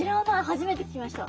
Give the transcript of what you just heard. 初めて聞きました。